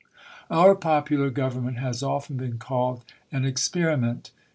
.. Our popular government has often been called an ex periment.